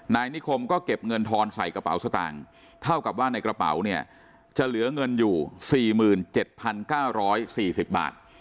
นายนิคมก็เก็บเงินทอนใส่กระเป๋าสตางค์เท่ากับว่าในกระเป๋าเนี่ยจะเหลือเงินอยู่๔๗๙๔๐บาท